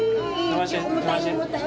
重たい重たい。